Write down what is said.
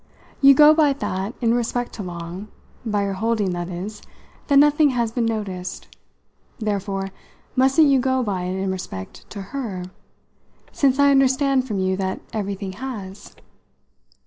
You go by that in respect to Long by your holding, that is, that nothing has been noticed; therefore mustn't you go by it in respect to her since I understand from you that everything has?"